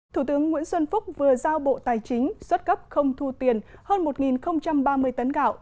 thủ tướng nguyễn xuân phúc vừa giao bộ tài chính xuất cấp không thu tiền hơn một ba mươi tấn gạo